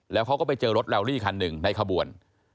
แล้วเขาก็ไปเจอรถแลลี่คันหนึ่งในขบวน